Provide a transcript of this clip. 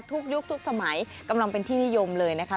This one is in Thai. ยุคทุกสมัยกำลังเป็นที่นิยมเลยนะคะ